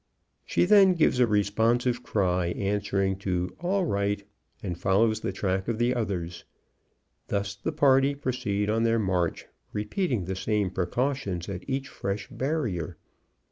She then gives a responsive cry, answering to "All right!" and follows the track of the others. Thus the party proceed on their march, repeating the same precautions at each fresh barrier.